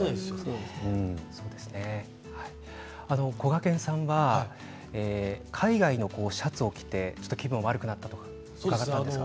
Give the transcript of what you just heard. こがけんさんは海外のシャツを着て気分が悪くなったことがあるそうですね。